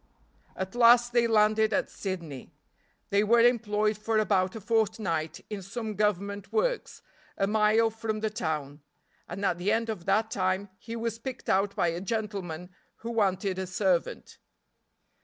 At last they landed at Sydney. They were employed for about a fortnight in some government works, a mile from the town; and at the end of that time he was picked out by a gentleman who wanted a servant.